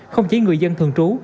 không chỉ người dân thường trú